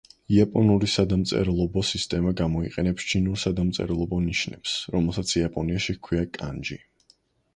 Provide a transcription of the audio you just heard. იაპონური სადამწერლობო სისტემა გამოიყენებს ჩინურ სადამწერლობო ნიშნებს, რომელსაც იაპონიაში ჰქვია კანჯი.